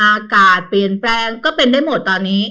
อากาศเปลี่ยนแปลงก็เป็นได้หมดตอนนี้